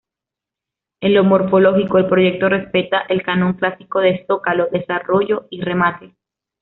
En lo morfológico, el proyecto respeta el canon clásico de zócalo, desarrollo y remate.